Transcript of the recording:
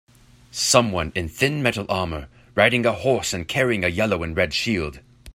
Someone in thinmetal armor, riding a horse and carrying a yellow and red shield.